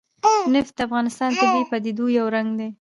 نفت د افغانستان د طبیعي پدیدو یو رنګ دی.